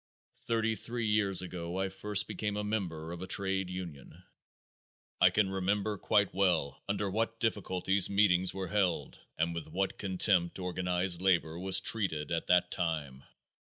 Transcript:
Thirty three years ago I first became a member of a trade union. I can remember quite well under what difficulties meetings were held and with what contempt organized labor was treated at that time.